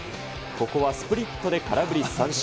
ここはスプリットで空振り三振。